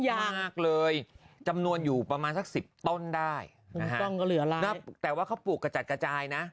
มากเลยจำนวนอยู่ประมาณสักสิบต้นได้ถูกต้องก็เหลือแล้วแต่ว่าเขาปลูกกระจัดกระจายนะ